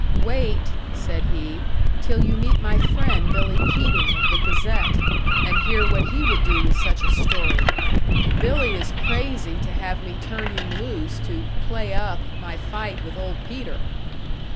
"Wait," said he, "till you meet my friend Billy Keating, of the Gazette, and hear what he would do with such a story! Billy is crazy to have me turn him loose to 'play up' my fight with Old Peter!"